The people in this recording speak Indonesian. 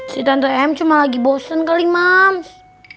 si tante em cuma lagi bosen kali mams